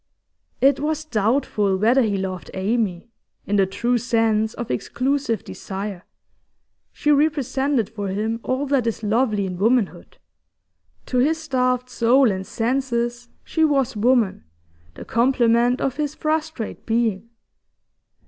It was doubtful whether he loved Amy, in the true sense of exclusive desire. She represented for him all that is lovely in womanhood; to his starved soul and senses she was woman, the complement of his frustrate being.